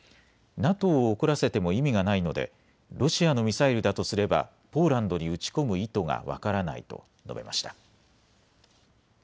ＮＡＴＯを怒らせても意味がないのでロシアのミサイルだとすればポーランドに撃ち込む意図が分からないと述べました。